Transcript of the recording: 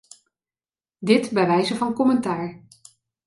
Dit bij wijze van commentaar.